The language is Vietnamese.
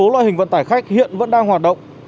một số loại hình vận tải khách hiện vẫn đang hoạt động